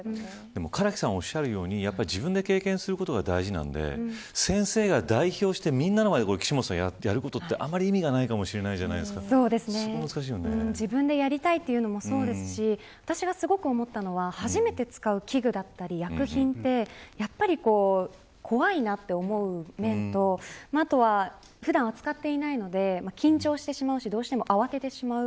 唐木さんがおっしゃるように自分で経験することが大事なので先生が代表して、みんなの前でやることって、あんまり意味がないかも自分でやりたいというのもそうですし私が思ったのは、初めて使う器具だったり、薬品はやはり怖いなという思うのと普段は扱っていないので緊張してしまうしどうしても慌ててしまう。